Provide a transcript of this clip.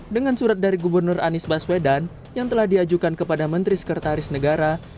dengan surat dari gubernur anies baswedan yang telah diajukan kepada menteri sekretaris negara